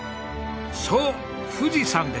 そう富士山です。